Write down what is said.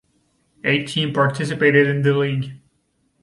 Eight teams participated in the league.